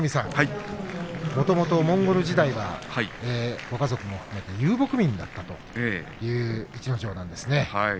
もともとモンゴル時代はご家族も含めて遊牧民だったという逸ノ城なんですね。